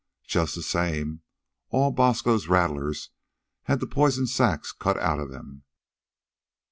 "Just the same, all Bosco's rattlers had the poison sacs cut outa them.